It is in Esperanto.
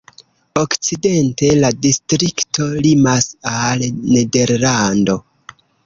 Okcidente la distrikto limas al Nederlando.